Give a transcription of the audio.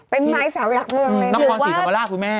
เป็นไม้สาวยักษ์หรือว่านักฟังศีรภาวราชพี่แม่